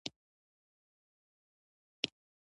افغانستان کې زمرد د نن او راتلونکي لپاره ارزښت لري.